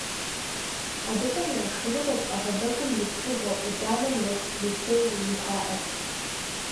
Абыхэм я шхыныгъуэщ ӏэгъэбэгум и пкъыгъуэ, ӏуданэм ещхь, мицелий жыхуаӏэр.